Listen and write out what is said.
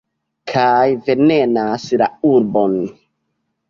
Kaj venenas la urbon.